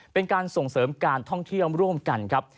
เป็นการส่งเสริมการท่องเที่ยวร่วมกันครับ